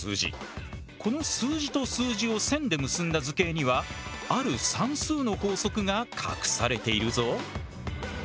この数字と数字を線で結んだ図形にはある算数の法則が隠されているぞ。